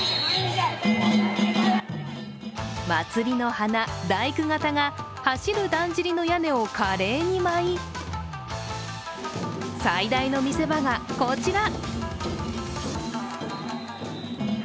祭りの華、大工方が走るだんじりの屋根を華麗に舞い最大の見せ場が、こちら。